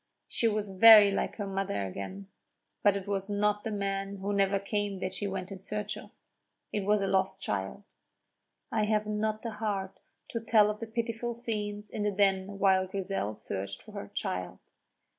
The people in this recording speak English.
She was very like her mother again; but it was not the man who never came that she went in search of it was a lost child. I have not the heart to tell of the pitiful scenes in the Den while Grizel searched for her child.